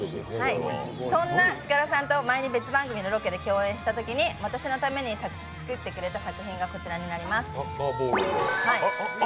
そんな塚田さんと前に別番組のロケで共演したときに私のために作ってくれた作品がこちらになります。